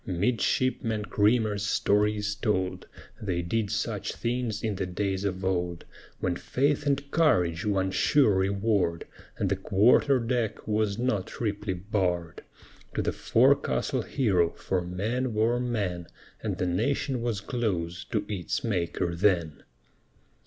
Midshipman Creamer's story is told They did such things in the days of old, When faith and courage won sure reward, And the quarter deck was not triply barred, To the forecastle hero; for men were men, And the Nation was close to its Maker then.